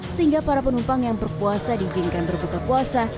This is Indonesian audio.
sehingga para penumpang yang berpuasa diizinkan berbuka puasa